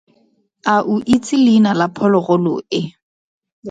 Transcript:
A o itse leina la phologolo e?